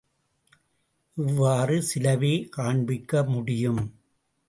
இவ்வாறு சிலவே காண்பிக்க முடியும்.